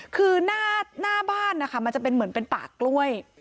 คือหน้าบ้านนะคะมันจะเป็นเหมือนเป็นป่ากล้วย